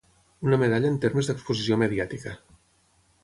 Una medalla en termes d'exposició mediàtica.